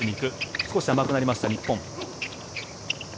少し甘くなりました、日本。